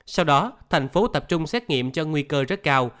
sau đó thành phố tập trung xét nghiệm cho nguy cơ rất cao